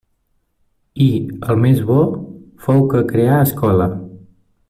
I, el més bo, fou que creà escola.